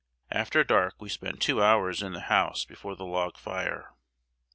After dark we spent two hours in the house before the log fire.